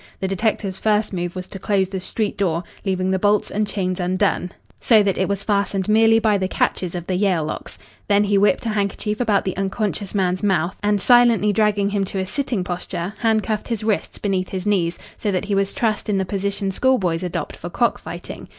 The detective's first move was to close the street door, leaving the bolts and chains undone, so that it was fastened merely by the catches of the Yale locks. Then he whipped a handkerchief about the unconscious man's mouth, and silently dragging him to a sitting posture, handcuffed his wrists beneath his knees, so that he was trussed in the position schoolboys adopt for cock fighting.